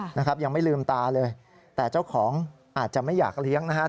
นะครับยังไม่ลืมตาเลยแต่เจ้าของอาจจะไม่อยากเลี้ยงนะครับ